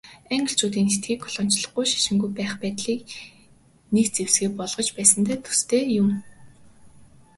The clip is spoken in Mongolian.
Англичууд Энэтхэгийг колоничлохгүй, шашингүй байх байдлыг нэг зэвсгээ болгож байсантай төстэй юм.